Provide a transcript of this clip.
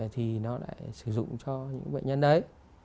thì nó lại sử dụng cho những bệnh nhân ấy